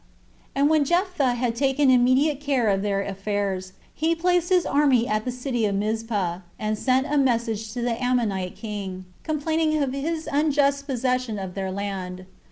9. And when Jephtha had taken immediate care of their affairs, he placed his army at the city Mizpeh, and sent a message to the Ammonite [king], complaining of his unjust possession of their land.